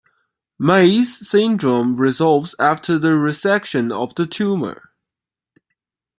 Meigs' syndrome resolves after the resection of the tumor.